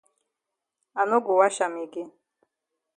I no go wash am again.